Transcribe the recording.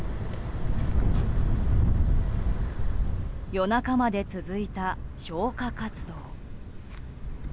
夜中まで続いた消火活動。